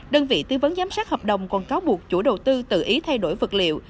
đơn vị tư vấn giám sát hợp đồng còn cáo buộc chủ đầu tư tự ý thay đổi vật liệu